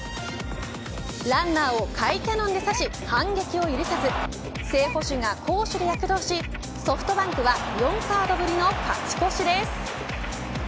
ランナーを甲斐キャノンで刺し反撃を許さず正捕手が攻守で躍動しソフトバンクは４カードぶりの勝ち越しです。